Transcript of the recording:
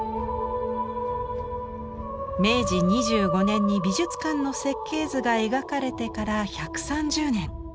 明治２５年に美術館の設計図が描かれてから１３０年。